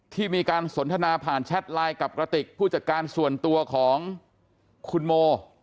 ที่มีการสนทนาผ่านแชทไลน์กับกระติกผู้จัดการส่วนตัวของคุณโม